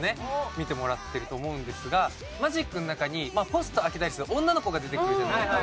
見てもらってると思うんですが『Ｍａｇｉｃ』の中にポスト開けたりする女の子が出てくるじゃないですか。